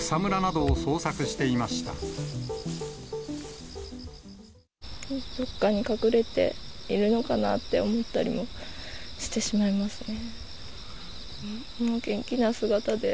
どこかに隠れているのかなと思ったりもしてしまいますね。